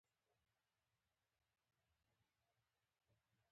ته خو يي ماته پریږده